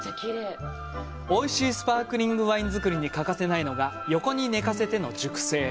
おいしいスパークリングワイン造りに欠かせないのが横に寝かせての熟成。